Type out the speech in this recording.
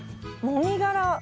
もみ殻。